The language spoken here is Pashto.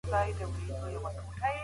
ژبه د ټولنیزي اړیکي وسیله ده.